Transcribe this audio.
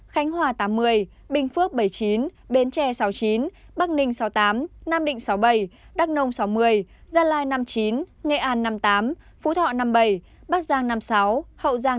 khánh hòa tám mươi bình phước bảy mươi chín bến tre sáu mươi chín bắc ninh sáu mươi tám nam định sáu mươi bảy đắk nông sáu mươi gia lai năm mươi chín nghệ an năm mươi tám phú thọ năm mươi bảy bắc giang năm mươi sáu hậu giang